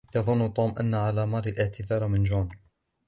يظن توم أن على ماري الاعتذار من جون.